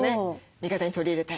味方に取り入れたい。